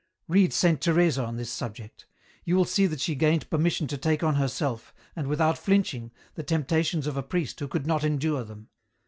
" Read Saint Teresa on this subject ; you will see that she gained permission to take on herself, and without flinching, the temptations of a priest who could not endure them.